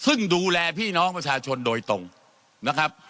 ซึ่งดูแลพี่น้องประชาชนโดยตรงนะครับ